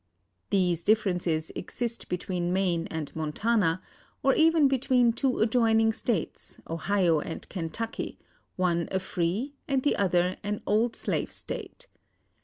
These differences exist between Maine and Montana; or even between two adjoining States, Ohio and Kentucky, one a free and the other an old slave State.